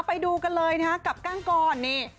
ไปดูกันเลยนะฮะกับก้างกรนี่